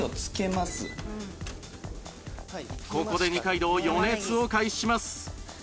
ここで二階堂予熱を開始します